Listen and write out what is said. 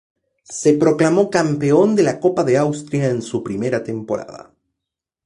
Se proclamó campeón de la Copa de Austria en su primera temporada.